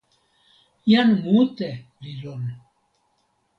jan mute li lon!